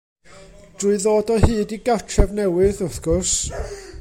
Drwy ddod o hyd i gartref newydd, wrth gwrs!